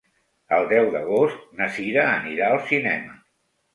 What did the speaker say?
El deu d'agost na Cira anirà al cinema.